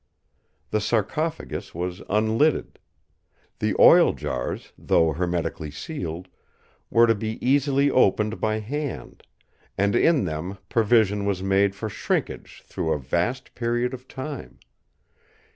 The sarcophagus was unlidded. The oil jars, though hermetically sealed, were to be easily opened by hand; and in them provision was made for shrinkage through a vast period of time.